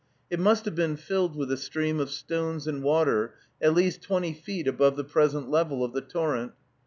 It must have been filled with a stream of stones and water, at least twenty feet above the present level of the torrent.